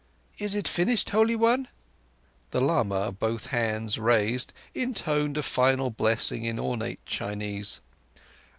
... Is it finished, Holy One?" The lama, both hands raised, intoned a final blessing in ornate Chinese.